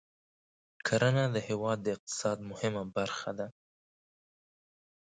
کرنه د هېواد د اقتصاد مهمه برخه ده.